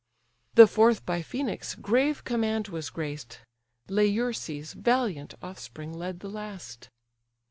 The fourth by Phœnix' grave command was graced, Laerces' valiant offspring led the last.